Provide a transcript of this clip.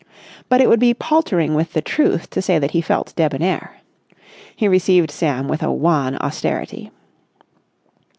But it would be paltering with the truth to say that he felt debonair. He received Sam with a wan austerity.